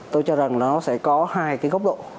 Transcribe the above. tôi cho rằng nó sẽ có hai gốc độ